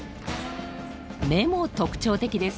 目も特徴的です。